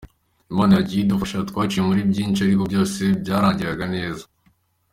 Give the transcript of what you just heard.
Imana yagiye idufasha, twaciye muri byinshi, ariko byose byarangiraga neza.